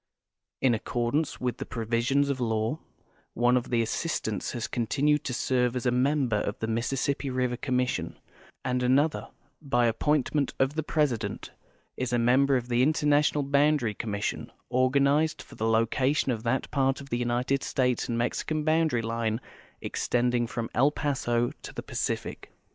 In accordance with the provisions of law, one of the assistants has con tinued to serve as a member of the Mississippi River Commission, and another, by appointment of the President, is a member of the Interna tional Boundary Commission, organized for the location of that part of the United States and IMexican boundary line extending from El Paso to the Pacific.